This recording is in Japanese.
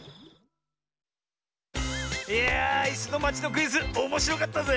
いや「いすのまち」のクイズおもしろかったぜ。